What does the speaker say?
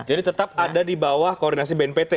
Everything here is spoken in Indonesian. jadi tetap ada di bawah koordinasi bnpt